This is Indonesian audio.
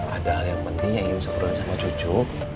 ada hal yang pentingnya yuk seorang sama cucu